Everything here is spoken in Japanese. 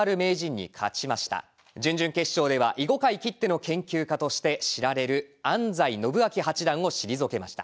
準々決勝では囲碁界きっての研究家として知られる安斎伸彰八段を退けました。